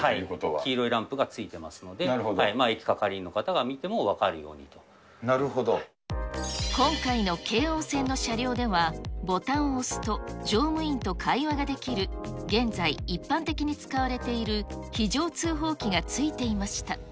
黄色いランプがついていますので、駅係員の方が見ても分かるように今回の京王線の車両では、ボタンを押すと、乗務員と会話ができる現在、一般的に使われている非常通報機が付いていました。